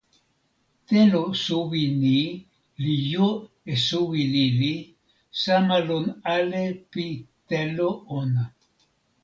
telo suwi ni li jo e suwi lili sama lon ale pi telo ona.